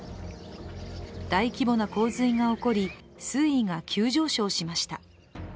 大規模な洪水が起こり、水位が急上昇しました。